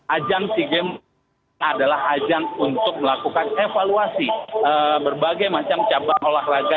ajang sea games adalah ajang untuk melakukan evaluasi berbagai macam cabang olahraga